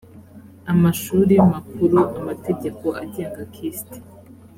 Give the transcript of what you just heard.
amashuri makuru amategeko agenga kist